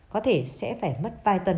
có thể sẽ phải mất vài tuần